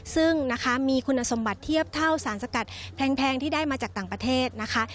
ซึ่งนะคะมีคุณสมบัติเทียบเท่าสารสกัดแพงที่ได้มาจากต่างประเทศนะคะ